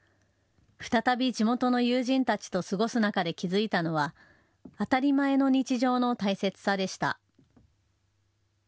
再び地元の友人たちと過ごす中で気付いたのは当たり前の日常の大切さでした。